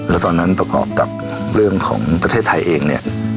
แล้วตอนนั้นประกอบกับเรื่องของประเทศไทยเองเนี่ย